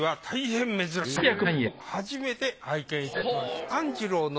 私も初めて拝見いたしました。